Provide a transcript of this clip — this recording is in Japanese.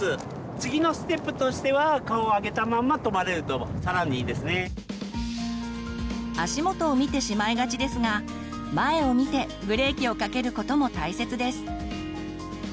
次のステップとしては足元を見てしまいがちですが前を見てブレーキをかけることも大切です。